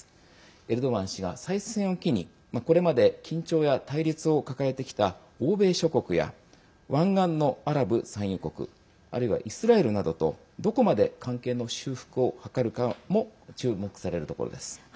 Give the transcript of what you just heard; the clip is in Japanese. エルドアン氏が再選を機にこれまで緊張や対立を抱えてきた欧米諸国や、湾岸のアラブ産油国あるいはイスラエルなどとどこまで関係の修復を図るかも注目されるところです。